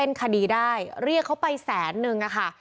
คดีได้เรียกเขาไปแสนนึงอะค่ะ